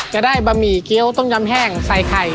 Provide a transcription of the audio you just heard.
บะหมี่เกี้ยวต้มยำแห้งใส่ไข่